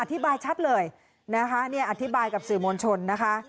อธิบายชัดเลยอธิบายกับสื่อมวลชนนะคะ